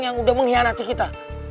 yang udah mengkhianati kita